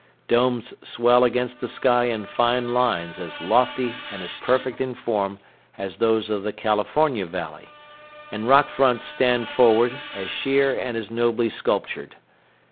Domes swell against the sky in fine lines as lofty and as perfect in form as those of the California valley, and rock fronts stand forward, as sheer and as nobly sculptured.